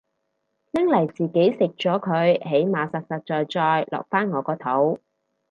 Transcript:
拎嚟自己食咗佢起碼實實在在落返我個肚